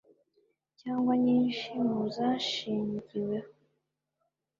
cyangwa nyinshi mu zashingiweho